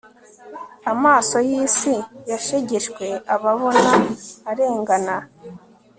amaso yisi yashegeshwe ababona arengana